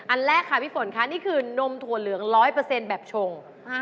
อันแรกค่ะพี่ฝนค่ะนี่คือนมถั่วเหลือง๑๐๐แบบชง